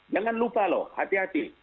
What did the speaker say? jangan lupa loh hati hati